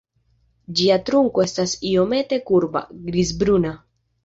Ĝia trunko estas iomete kurba, grizbruna.